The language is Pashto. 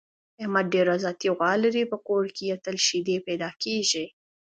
احمد ډېره ذاتي غوا لري، په کور کې یې تل شیدې پیدا کېږي.